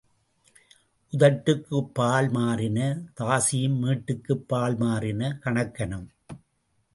உதட்டுக்குப் பால் மாறின தாசியும் மேட்டுக்குப் பால் மாறின கணக்கனும்.